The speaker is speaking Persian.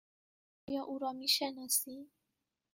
آیا او را می شناسی؟